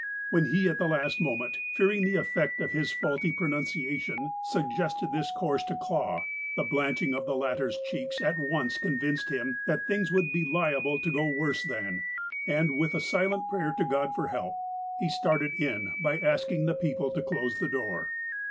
When he, at the last moment, fearing the effect of his faulty pronunciation, suggested this course to Clah, the blanching of the latter' s cheeks at once convinced him that things would be liable to go worse then, and, with a silent prayer to God for help, he started in by asking the people to close the door.